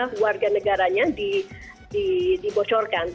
keluarga negaranya dibocorkan